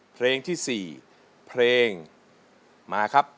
เพลงที่๔เพลงมาครับ